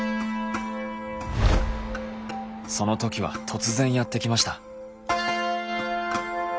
そのときは突然やって来ました。